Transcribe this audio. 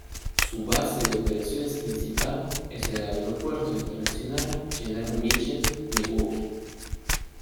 Su base de operaciones principal es el Aeropuerto Internacional General Mitchell, Milwaukee.